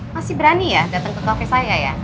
masih berani ya datang ke kafe saya ya